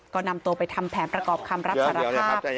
ก็นำตัวไปทำแผนประกอบคำรับสารภาพ